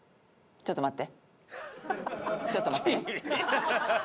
「ちょっと待って」。